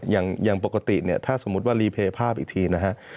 อย่างปกติถ้าสมมุติว่ารีเปย์ภาพอีกทีนะครับ